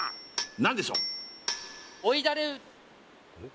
何でしょう？